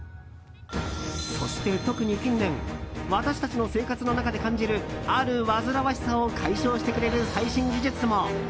そして、特に近年私たちの生活の中で感じるある煩わしさを解消してくれる最新技術も。